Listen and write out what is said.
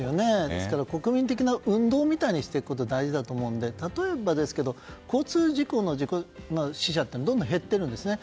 ですから、国民的な運動みたいにしていくことが大事になってくるので例えばですけど交通事故の死者ってどんどん減っているんですよね。